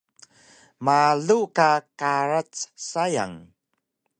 Malu ka karac sayang